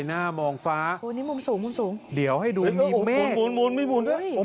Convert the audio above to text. หน้ามองฟ้าโอ้โหนี้มุมสูงเดี๋ยวให้ดูมีเมฆโอ้โหหมุนไม่หมุน